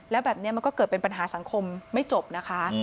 แล้วแบบนี้มันก็เกิดเป็นปัญหาสังคมไม่จบนะคะ